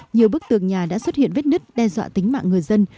nhiều bức tường nhà đã xuất hiện vết nứt đe dọa tính mạng người dân